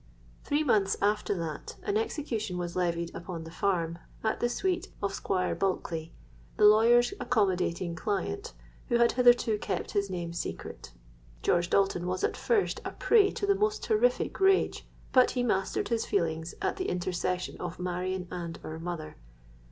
"Three months after that an execution was levied upon the farm, at the suite of Squire Bulkeley, the lawyer's accommodating client, who had hitherto kept his name secret! George Dalton was at first a prey to the most terrific rage; but he mastered his feelings at the intercession of Marion and our mother.